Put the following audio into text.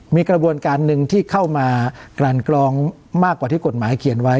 มีกระบวนการหนึ่งที่เข้ามากลั่นกรองมากกว่าที่กฎหมายเขียนไว้